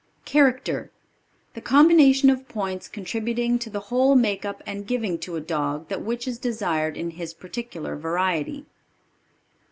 Character. The combination of points contributing to the whole make up and giving to a dog that which is desired in his particular variety.